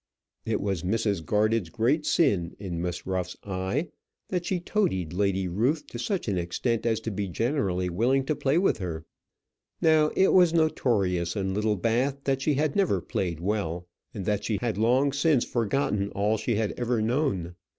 It was Mrs. Garded's great sin, in Miss Ruff's eye, that she toadied Lady Ruth to such an extent as to be generally willing to play with her. Now it was notorious in Littlebath that she had never played well, and that she had long since forgotten all she had ever known.